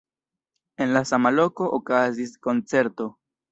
En la sama loko okazis koncerto.